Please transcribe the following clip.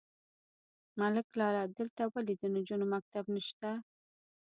_ملک لالا! دلته ولې د نجونو مکتب نشته؟